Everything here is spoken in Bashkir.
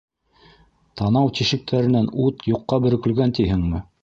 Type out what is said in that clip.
Танау тишектәренән ут юҡҡа бөркөлгән тиһеңме?